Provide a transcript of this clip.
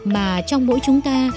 mà trong mỗi chúng ta